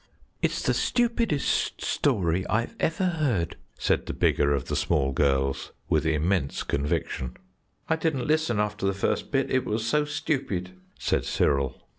"It's the stupidest story I've ever heard," said the bigger of the small girls, with immense conviction. "I didn't listen after the first bit, it was so stupid," said Cyril.